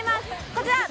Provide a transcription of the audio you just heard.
こちら！